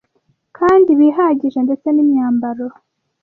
kandi bihagije ndetse n’imyambaro